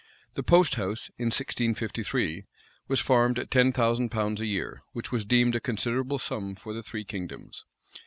The post house, in 1653, was farmed at ten thousand pounds a year, which was deemed a considerable sum for the three kingdoms.